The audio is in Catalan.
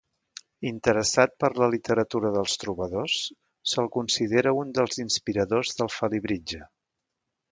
Interessat per la literatura dels trobadors, se'l considera un dels inspiradors del Felibritge.